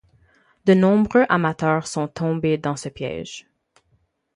De nombreux amateurs sont tombés dans ce piège.